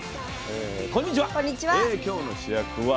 こんにちは。